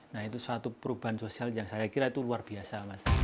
nah itu satu perubahan sosial yang saya kira itu luar biasa